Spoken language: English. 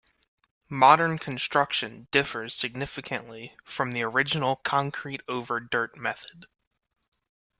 Modern construction differs significantly from the original concrete-over-dirt method.